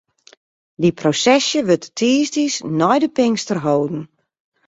Dy prosesje wurdt de tiisdeis nei de Pinkster holden.